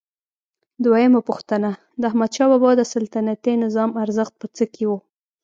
دویمه پوښتنه: د احمدشاه بابا د سلطنتي نظام ارزښت په څه کې و؟